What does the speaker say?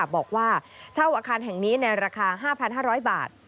บอกว่าเช่าอาคารแห่งนี้ในราคา๕๕๐๐บาท